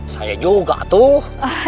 saya juga tuh